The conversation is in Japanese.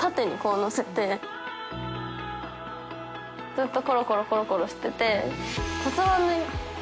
ずっとコロコロコロコロしてて。